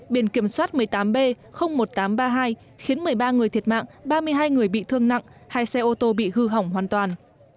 biển kiểm soát một mươi tám b một nghìn tám trăm ba mươi hai khiến một mươi ba người thiệt mạng ba mươi hai người bị thương nặng hai xe ô tô bị hư hỏng hoàn toàn